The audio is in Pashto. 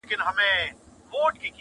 او دا بل جوال د رېګو چلومه!!